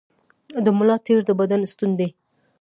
د ملا تیر د بدن ستون دی